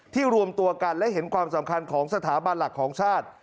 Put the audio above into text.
รวมตัวกันและเห็นความสำคัญของสถาบันหลักของชาติ